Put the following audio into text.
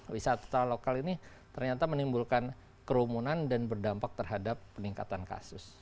wisata lokal ini ternyata menimbulkan kerumunan dan berdampak terhadap peningkatan kasus